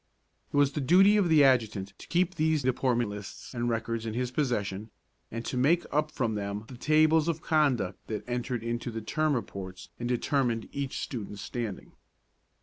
It was the duty of the adjutant to keep these deportment lists and records in his possession, and to make up from them the tables of conduct that entered into the term reports and determined each student's standing.